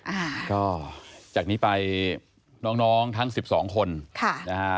อ่าก็จากนี้ไปน้องน้องทั้งสิบสองคนค่ะนะฮะ